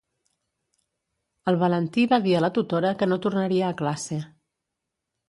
El Valentí va dir a la tutora que no tornaria a classe.